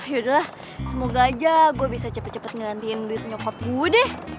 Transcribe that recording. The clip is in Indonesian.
yaudah semoga aja gua bisa cepet cepet ngelantihin duit nyokap gua deh